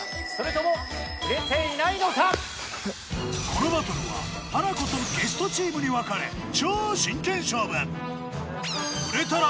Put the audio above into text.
このバトルはハナコとゲストチームに分かれ超真剣勝負！